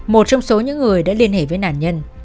một trong số những người đã liên hệ với nạn nhân